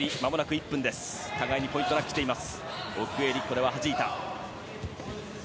互いにポイントなく来ています。